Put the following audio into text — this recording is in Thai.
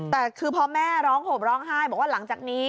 แต่คือพอแม่ร้องห่มร้องไห้บอกว่าหลังจากนี้